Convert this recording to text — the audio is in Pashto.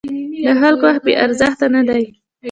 د خلکو وخت بې ارزښته نه دی.